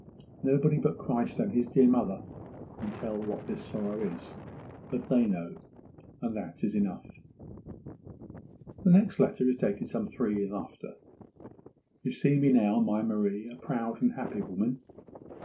Nobody but Christ and His dear mother can tell what this sorrow is; but they know, and that is enough.' The next letter is dated some three years after. 'You see me now, my Marie, a proud and happy woman.